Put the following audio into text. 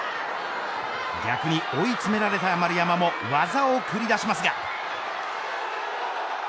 逆に追い詰められた丸山も技を繰り出しますが。